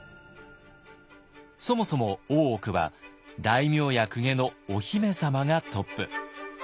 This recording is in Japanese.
そもそも大奥は大名や公家のお姫様がトップ。